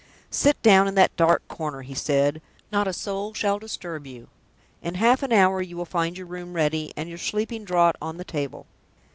"Sit down in that dark corner," he said. "Not a soul shall disturb you. In half an hour you will find your room ready, and your sleeping draught on the table."